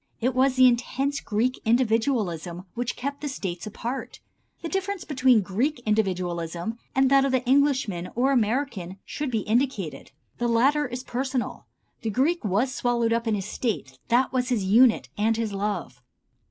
It was the intense Greek individualism which kept the States apart. The difference between Greek individualism and that of the Englishman or American should be indicated. The latter is personal. The Greek was swallowed up in his State, that was his unit and his love.